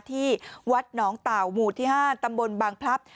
ที่วัดหนองเต่าหมู่ที่๕ตำบลบางพลับ